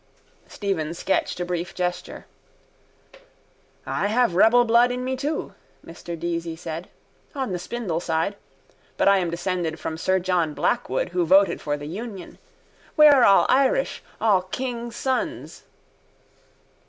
Stephen sketched a brief gesture. —I have rebel blood in me too, Mr Deasy said. On the spindle side. But I am descended from sir John Blackwood who voted for the union. We are all Irish, all kings' sons.